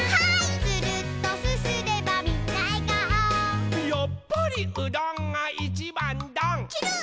「つるっとすすればみんなえがお」「やっぱりうどんがいちばんどん」ちゅるっ。